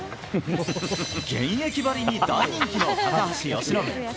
現役ばりに大人気の高橋由伸。